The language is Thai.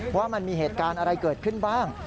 ว่ามันมีเหตุการณ์อะไรเกิดขึ้นบ้าง